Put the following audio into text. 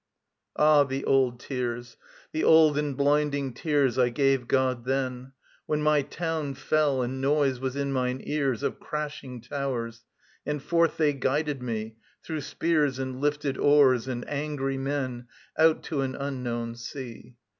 [ANTISTROPHE I.] Ah, the old tears, the old and blinding tears I gave God then, When my town fell, and noise was in mine ears Of crashing towers, and forth they guided me Through spears and lifted oars and angry men Out to an unknown sea.